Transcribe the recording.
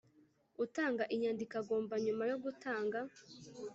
Utanga inyandiko agomba nyuma yo gutanga